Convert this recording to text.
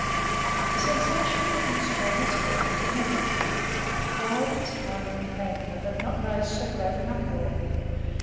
The sensation produced by this work was immense. Dryden's Hind and Panther had not raised so great an uproar.